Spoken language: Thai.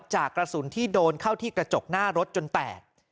จากกระสุนที่โดนเข้าที่กระจกหน้ารถจนแตก